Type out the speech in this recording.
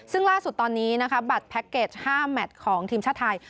ซึ่งล่าสุดตอนนี้นะคะบัตรแพ็คเกจ๕แมทของทีมชาติไทย